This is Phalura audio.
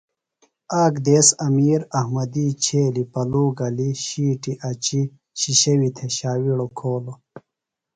آک دیس امیر احمدی چھیلیۡ پلو گلیۡ شیٹی اچی شِشوئی تھےۡ شاوِیڑوۡ کھولوۡ۔